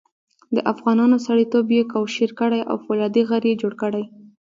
د افغانانو سړیتوب یې کوشیر کړی او فولادي غر یې جوړ کړی.